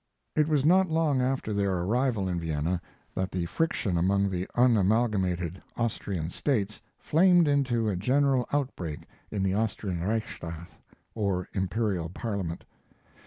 It was not long after their arrival in Vienna that the friction among the unamalgamated Austrian states flamed into a general outbreak in the Austrian Reichsrath, or Imperial Parliament.